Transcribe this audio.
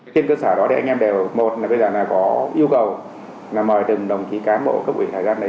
trên cơ sở đó thì anh em đều một là bây giờ là có yêu cầu là mời từng đồng chí cán bộ cấp ủy thời gian đấy